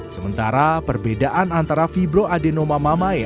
sementara perbedaan antara fibroadenomammae